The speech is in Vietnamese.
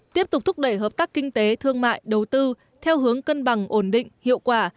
tiếp tục thúc đẩy hợp tác kinh tế thương mại đầu tư theo hướng cân bằng ổn định hiệu quả